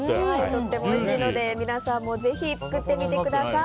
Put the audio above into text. とてもおいしいので皆さんもぜひ作ってみてください。